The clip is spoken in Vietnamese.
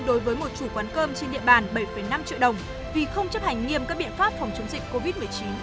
đối với một chủ quán cơm trên địa bàn bảy năm triệu đồng vì không chấp hành nghiêm các biện pháp phòng chống dịch covid một mươi chín